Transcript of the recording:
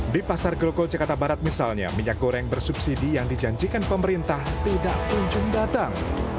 di pasar grogol jakarta barat misalnya minyak goreng bersubsidi yang dijanjikan pemerintah tidak kunjung datang